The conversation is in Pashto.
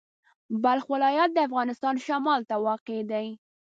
بلخ ولایت د افغانستان شمال ته واقع دی.